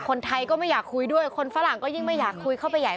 คนไทยก็ไม่อยากคุยด้วยคนฝรั่งก็ยิ่งไม่อยากคุยเข้าไปใหญ่